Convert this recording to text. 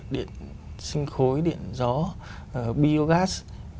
điện sinh khối điện gió biogas